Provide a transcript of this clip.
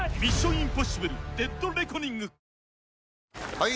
・はい！